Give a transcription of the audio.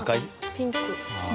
ピンク。